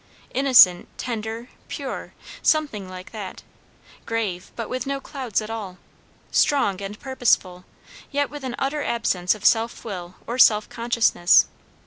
Innocent, tender, pure, something like that. Grave, but with no clouds at all; strong and purposeful, yet with an utter absence of self will or self consciousness.